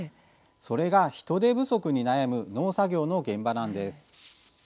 それが人手不足に悩む農作業の現場なんです。